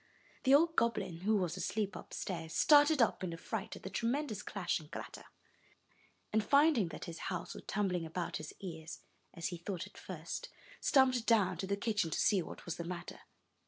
The old goblin, who was asleep upstairs, started up in a fright at the tremendous clash and clatter, and, finding that his house was tumbling about his ears, as he thought at first, stumped down to the kitchen to see what was the matter.